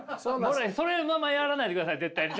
それのままやらないでください絶対に。